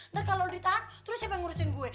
ntar kalau ditahan terus siapa yang ngurusin gue